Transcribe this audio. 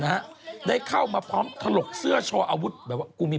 นะฮะได้เข้ามาพร้อมถลกเสื้อโชว์อาวุธแบบว่ากูมี